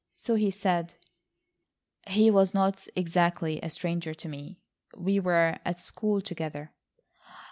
So he said: "He was not exactly a stranger to me. We were at school together."